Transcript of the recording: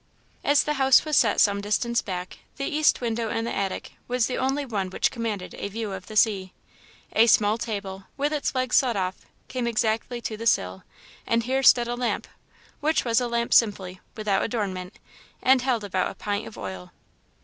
As the house was set some distance back, the east window in the attic was the only one which commanded a view of the sea. A small table, with its legs sawed off, came exactly to the sill, and here stood a lamp, which was a lamp simply, without adornment, and held about a pint of oil.